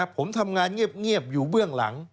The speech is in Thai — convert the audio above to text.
ผมทำงานเงียบอยู่เบื้องหลัง